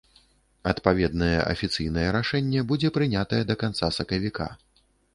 Адпаведнае афіцыйнае рашэнне будзе прынятае да канца сакавіка.